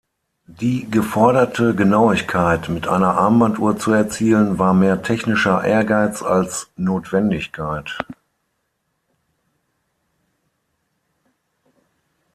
Die geforderte Genauigkeit mit einer Armbanduhr zu erzielen war mehr technischer Ehrgeiz als Notwendigkeit.